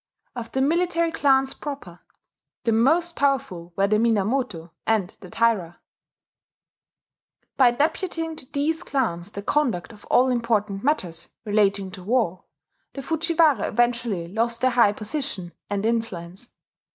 Of the military clans proper, the most powerful were the Minamoto and the Taira. By deputing to these clans the conduct of all important matters relating to war, the Fujiwara eventually lost their high position and influence.